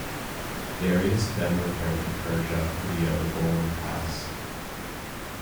Darius then returned to Persia via the Bolan Pass.